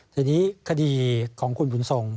ทีนี้ขดีของคุณพุทธงศ์